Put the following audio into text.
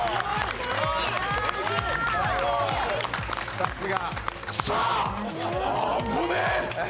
さすが。